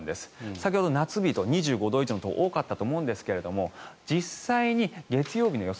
先ほど、夏日と２５度以上のところが多かったと思うんですが実際に月曜日の予想